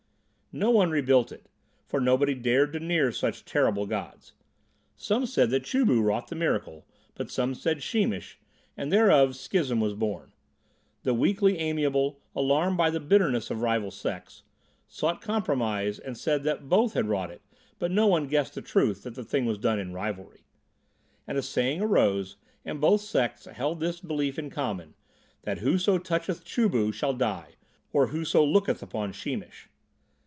No one rebuilt it, for nobody dared to near such terrible gods. Some said that Chu bu wrought the miracle, but some said Sheemish, and thereof schism was born. The weakly amiable, alarmed by the bitterness of rival sects, sought compromise and said that both had wrought it, but no one guessed the truth that the thing was done in rivalry. And a saying arose, and both sects held this belief in common, that whoso toucheth Chu bu shall die or whoso looketh upon Sheemish.